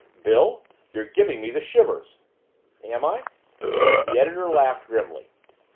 "Bill! You're giving me the shivers!" "Am I?" The editor laughed grimly.